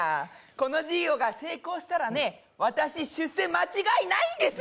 この事業が成功したら私出世間違いないんです。